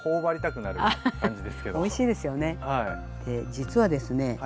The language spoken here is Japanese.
実はですね